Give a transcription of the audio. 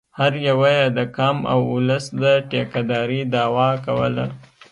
هر یوه یې د قام او اولس د ټیکه دارۍ دعوه کوله.